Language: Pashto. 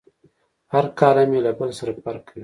هر کالم یې له بل سره فرق کوي.